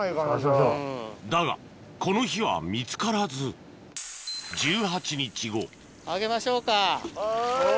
だがこの日は見つからずはい。